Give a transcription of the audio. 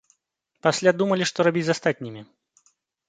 Пасля думалі, што рабіць з астатнімі.